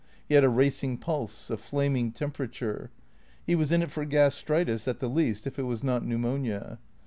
He had a racing pulse, a flaming temperature. He was in for gastritis, at the least, if it was not pneumonia.